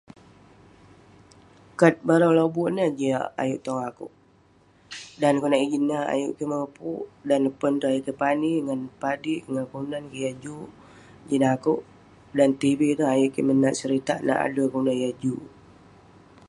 Kat barang lobuk ineh jiak ayuk tong akouk, dan konak ijin ineh ayuk kik moput, dan neh pon itouk ayuk kik pani ngan padik kik ngan kelunan kik yah juk jin akouk..Dan tv ineh ayuk kik menat seritak, nat ade' kelunan yah juk..